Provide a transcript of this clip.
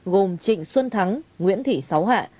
gồm trịnh xuân thắng nguyễn thị sáu hạ